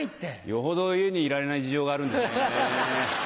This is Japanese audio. よほど家にいられない事情があるんですね。